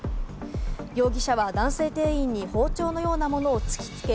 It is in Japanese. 容疑者は男性店員に包丁のようなものを突きつけ、